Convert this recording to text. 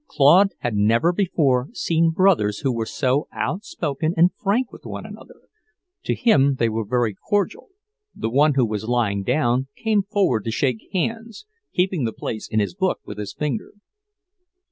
Claude had never before seen brothers who were so outspoken and frank with one another. To him they were very cordial; the one who was lying down came forward to shake hands, keeping the place in his book with his finger.